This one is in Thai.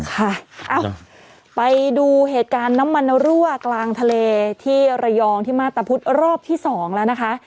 ค่ะไปดูเหตุการณ์น้ำมันรั่วกลางทะเลที่ระยองที่มาตรพุธรอบที่๒แล้วนะคะ